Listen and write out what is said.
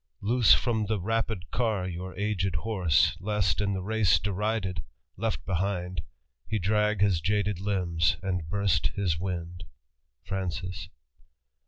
Loose from the rapid car your aged horse, Lest, in the race derided, left behind. He drag his jaded limbs and burst his wind." FsANClS.